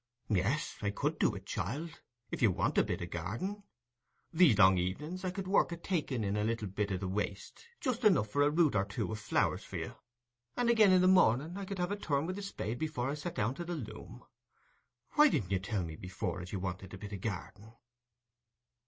"Yes, I could do it, child, if you want a bit o' garden: these long evenings, I could work at taking in a little bit o' the waste, just enough for a root or two o' flowers for you; and again, i' the morning, I could have a turn wi' the spade before I sat down to the loom. Why didn't you tell me before as you wanted a bit o' garden?"